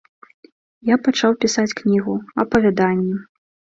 Я пачаў пісаць кнігу, апавяданні.